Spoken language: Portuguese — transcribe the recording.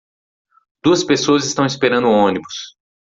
Duas pessoas estão esperando o ônibus